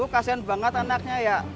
kasian banget anaknya ya